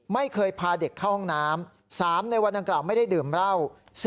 ไม่เคยพาเด็กเข้าห้องน้ำ๓ในวันดังกล่าวไม่ได้ดื่มเหล้า